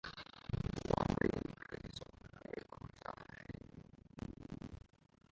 Umuhungu wambaye ikariso ya Ecosse afashe inkoni nini